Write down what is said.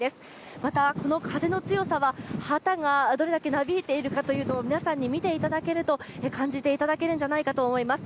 またこの風の強さは、旗がどれだけなびいているかを皆さんに見ていただくと、感じていただけるんじゃないかと思います。